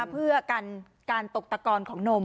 เพื่อกันการตกตะกอนของนม